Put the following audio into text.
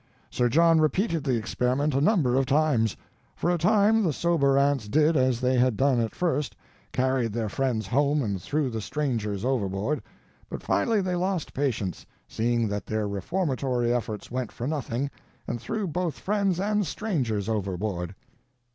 Sir John repeated the experiment a number of times. For a time the sober ants did as they had done at first—carried their friends home and threw the strangers overboard. But finally they lost patience, seeing that their reformatory efforts went for nothing, and threw both friends and strangers overboard.